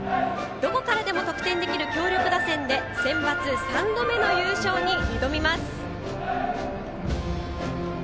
どこからでも得点できる強力打線でセンバツ３度目の優勝に挑みます。